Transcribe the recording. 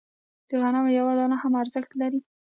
د غنمو یوه دانه هم ارزښت لري.